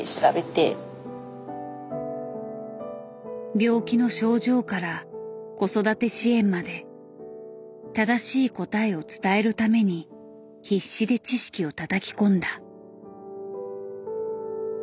病気の症状から子育て支援まで正しい答えを伝えるために必死で知識をたたき込んだ。